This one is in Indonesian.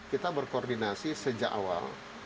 kita berkoordinasi sejak awal